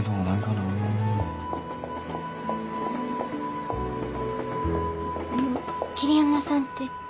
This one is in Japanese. あの桐山さんって？